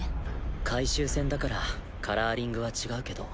改修船だからカラーリングは違うけど。